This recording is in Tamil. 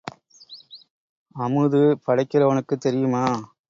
அமுது படைக்கிறவனுக்குத் தெரியுமா?